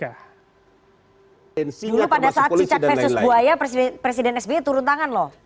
dulu pada saat cicak versus buaya presiden sby turun tangan loh